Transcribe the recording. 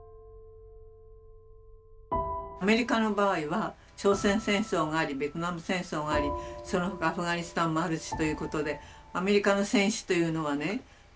アメリカの場合は朝鮮戦争がありベトナム戦争がありその他アフガニスタンもあるしということでアメリカの戦死というのはね